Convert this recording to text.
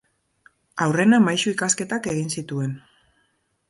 Aurrena maisu ikasketak egin zituen.